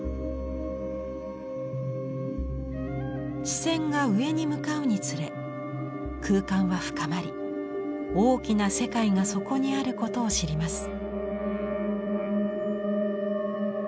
視線が上に向かうにつれ空間は深まり大きな世界がそこにあることを知ります。